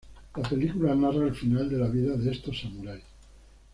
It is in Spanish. La película narra el final de la vida de estos samuráis.